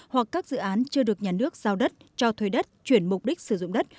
hoặc các dự án chưa được nhà nước giao đất cho thuê đất chuyển mục đích sử dụng đất